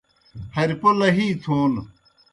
ہریپو لہی تھون